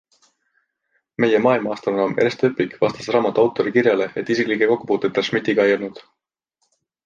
Meie maailmaastronoom Ernst Öpik vastas raamatu autori kirjale, et isiklikke kokkupuuteid tal Schmidtiga ei olnud.